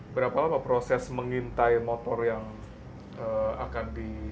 berapa lama proses mengintai motor yang akan di